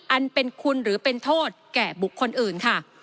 อันเป็นคุณหรือเป็นโทษแก่บุคคลอื่นค่ะ